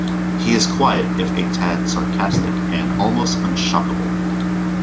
He is quiet, if a tad sarcastic, and almost unshockable.